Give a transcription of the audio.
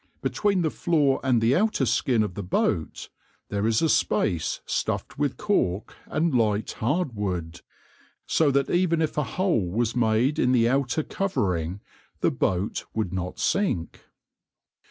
Between the floor and the outer skin of the boat there is a space stuffed with cork and light hard wood, so that even if a hole was made in the outer covering the boat would not sink.